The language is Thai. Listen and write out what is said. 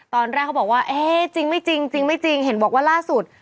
ตอนแรกเขาบอกว่าเอ๊ะจริงไม่จริงจริงไม่จริงเห็นบอกว่าล่าสุด